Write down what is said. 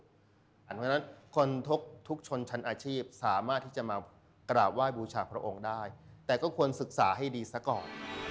เพราะฉะนั้นคนทุกชนชั้นอาชีพสามารถที่จะมากราบไหว้บูชาพระองค์ได้แต่ก็ควรศึกษาให้ดีซะก่อน